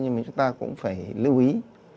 nhưng mà chúng ta cũng phải lưu ý